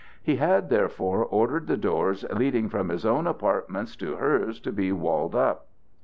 He had therefore ordered the doors leading from his own apartments to hers to be walled up.